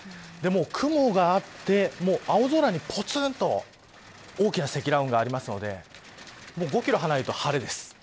雲があって青空にぽつんと大きな積乱雲がありますので５キロ離れると晴れです。